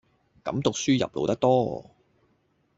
噉讀書入腦得多